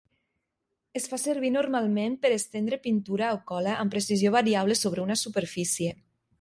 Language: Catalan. Es fa servir normalment per estendre pintura o cola amb precisió variable sobre una superfície.